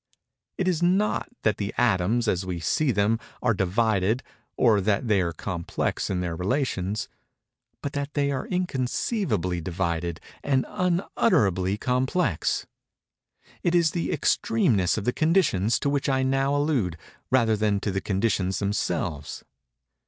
It is not that the atoms, as we see them, are divided or that they are complex in their relations—but that they are inconceivably divided and unutterably complex:—it is the extremeness of the conditions to which I now allude, rather than to the conditions themselves.